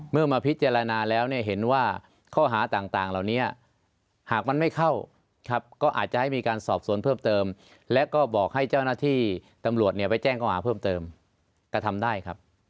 เมื่อมาพิจารณาแล้วเนี่ยเห็นว่าข้อหาต่างเหล่านี้หากมันไม่เข้าครับก็อาจจะให้มีการสอบสวนเพิ่มเติมและก็บอกให้เจ้าหน้าที่ตำรวจไปแจ้งข้อหาเพิ่มเติมกระทำได้ครับ